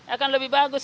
akan lebih bagus